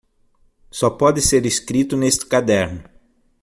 Só pode ser escrito neste caderno